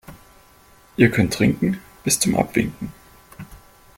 Ihr könnt trinken bis zum Abwinken.